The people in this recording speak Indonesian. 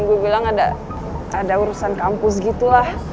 gue bilang ada urusan kampus gitu lah